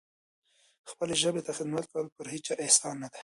خپلې ژبې ته خدمت کول پر هیچا احسان نه دی.